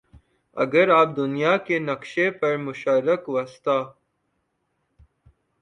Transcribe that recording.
اگر آپ دنیا کے نقشے پر مشرق وسطیٰ